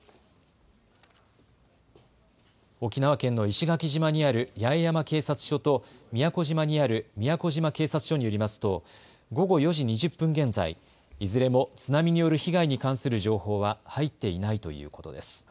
沖縄県の石垣島にある八重山警察署と宮古島にある宮古島警察署によりますと午後４時２０分現在、いずれも津波による被害の情報は入っていないということです。